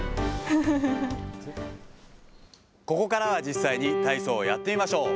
ここからは実際に体操をやってみましょう。